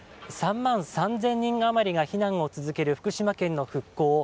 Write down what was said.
３万３０００人あまりが避難を続ける福島県の復興。